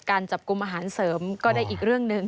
การจับกลุ่มอาหารเสริมก็ได้อีกเรื่องหนึ่ง